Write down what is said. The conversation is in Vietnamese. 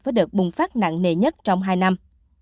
với đợt bùng phát nặng nề nhất trong hai năm